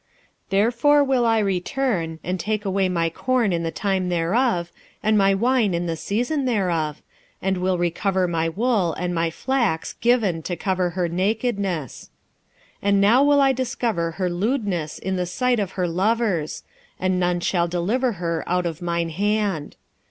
2:9 Therefore will I return, and take away my corn in the time thereof, and my wine in the season thereof, and will recover my wool and my flax given to cover her nakedness. 2:10 And now will I discover her lewdness in the sight of her lovers, and none shall deliver her out of mine hand.